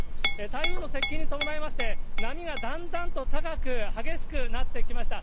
台風の接近に伴いまして、波がだんだんと高く、激しくなってきました。